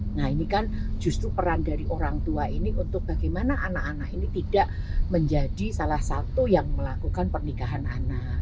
nah ini kan justru peran dari orang tua ini untuk bagaimana anak anak ini tidak menjadi salah satu yang melakukan pernikahan anak